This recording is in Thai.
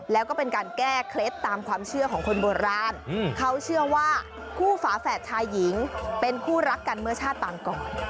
แล้วก็เป็นการแก้เคล็ดตามความเชื่อของคนโบราณเขาเชื่อว่าคู่ฝาแฝดชายหญิงเป็นคู่รักกันเมื่อชาติต่างก่อน